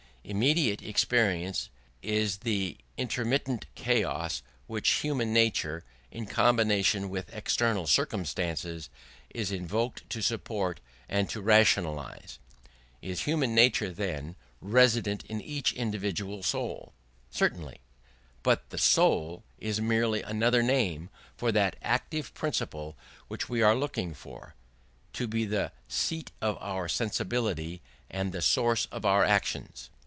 Immediate experience is the intermittent chaos which human nature, in combination with external circumstances, is invoked to support and to rationalise. Is human nature, then, resident in each individual soul? Certainly: but the soul is merely another name for that active principle which we are looking for, to be the seat of our sensibility and the source of our actions.